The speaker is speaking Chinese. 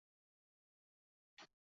聂家寺的历史年代为清。